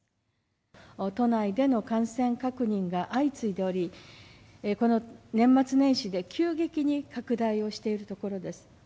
都内での感染確認が相次いでおり、この年末年始で急激に拡大をしているところです。